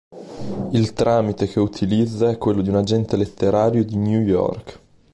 Il tramite che utilizza è quello di un agente letterario di New York.